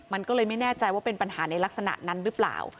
มันก็เลยไม่แน่ใจว่าเป็นปัญหาในลักษณะนั้นหรือเปล่า